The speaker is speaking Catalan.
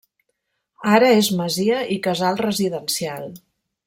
Ara és masia i casal residencial.